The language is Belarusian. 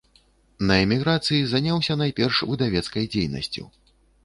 На эміграцыі заняўся найперш выдавецкай дзейнасцю.